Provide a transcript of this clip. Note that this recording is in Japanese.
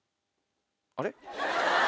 あれ？